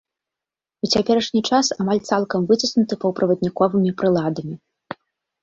У цяперашні час амаль цалкам выціснуты паўправадніковымі прыладамі.